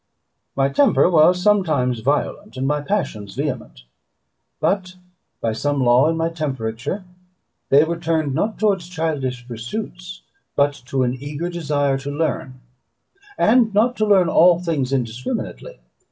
My temper was sometimes violent, and my passions vehement; but by some law in my temperature they were turned, not towards childish pursuits, but to an eager desire to learn, and not to learn all things indiscriminately.